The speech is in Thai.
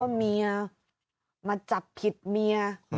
เพราะเมียมาจับผิดเมีย